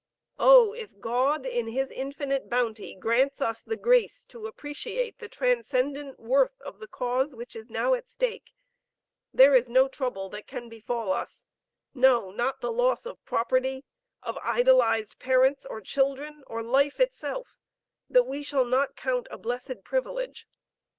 Oh, if God, in his infinite bounty, grants us the grace to appreciate the transcendent worth of the cause which is now at stake, there is no trouble that can befall us, no, not the loss of property, of idolized parents or children, or life itself, that we shall not count a blessed privilege.